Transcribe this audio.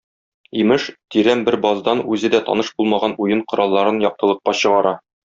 Имеш, тирән бер баздан үзе дә таныш булмаган уен коралларын яктылыкка чыгара.